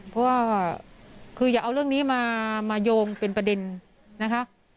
เพราะว่าคืออย่าเอาเรื่องนี้มาโยงเป็นประเด็นนะคะ